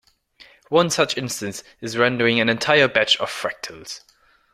One such instance is rendering an entire batch of fractals.